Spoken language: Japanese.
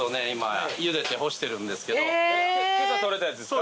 今朝捕れたやつですか？